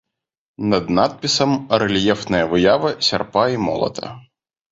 Над надпісам рэльефная выява сярпа і молата.